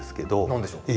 何でしょう？